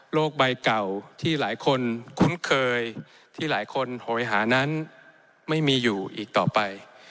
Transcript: ใบเก่าที่หลายคนคุ้นเคยที่หลายคนโหยหานั้นไม่มีอยู่อีกต่อไป